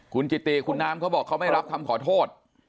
คุณกิติคุณน้ำเขาบอกเขาไม่รับคำขอโทษ